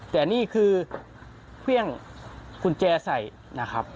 แต่นี่คือเครื่องกุญแจใส่นะครับ